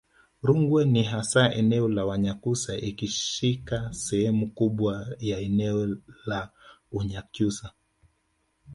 Rungwe ni hasa eneo la Wanyakyusa ikishika sehemu kubwa ya eneo la Unyakyusa